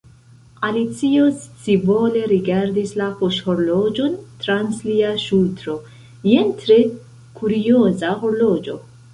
Alicio scivole rigardis la poŝhorloĝon trans lia ŝultro. "Jen tre kurioza horloĝo".